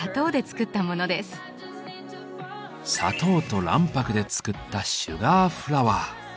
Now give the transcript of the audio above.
砂糖と卵白で作った「シュガーフラワー」。